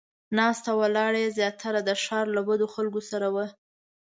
ناسته ولاړه یې زیاتره د ښار له بدو خلکو سره وه.